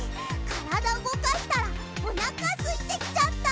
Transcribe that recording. からだうごかしたらおなかすいてきちゃった！